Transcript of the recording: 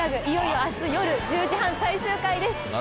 いよいよ明日夜１０時半最終回です！